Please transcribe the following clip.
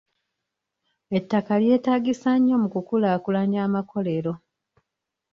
Ettaka lyetaagisa nnyo mu ku kulaakulanya amakolero.